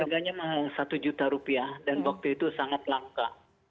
harganya satu juta rupiah dan waktu itu sangat langka